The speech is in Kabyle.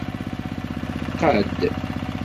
Qad.